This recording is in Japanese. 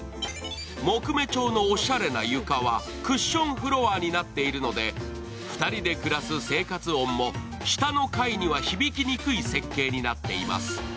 木目調のおしゃれな床は、クッションフロアになっているので２人で暮らす生活音も下の階には響きにくい設計になっています。